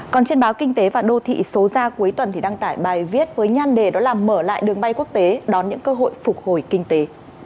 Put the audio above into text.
còn trên báo kinh tế và đô thị số ra cuối tuần thì đăng tải bài viết với nhan đề đó là mở lại đường bay quốc tế đón những cơ hội phục hồi kinh tế